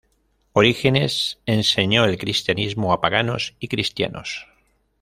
Orígenes enseñó el cristianismo a paganos y cristianos.